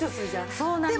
そうなんですよね。